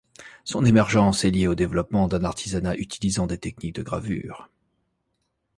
Son émergence est liée au développement d'un artisanat utilisant des techniques de gravure.